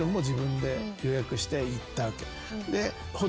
で。